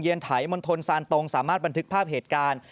ไถมนตรซานตรงสามารถบันทึกภาพเหตุการณ์